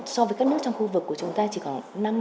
so với các nước trong khu vực của chúng ta chỉ còn năm mươi